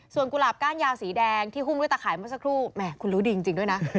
ส่วนกุหลาบก้านยาวสีแดงที่หุ้มด้วยตะข่ายเมื่อสักครู่แหมคุณรู้ดีจริงด้วยนะ